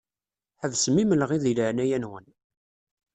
Ḥebsem imenɣi di leɛnaya-nwen.